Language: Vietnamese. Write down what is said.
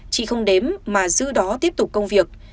chị không đếm mà giữ đó tiếp tục công việc